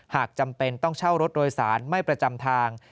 หากจำเป็นต้องเช่ารถโดยสารไม่ประจำทาง